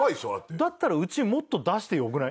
だったらうちもっと出してよくない？